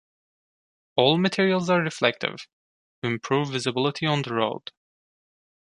All materials are reflective, to improve visibility on the road.